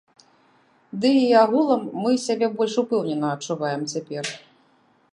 Ды і агулам, мы сябе больш упэўнена адчуваем цяпер.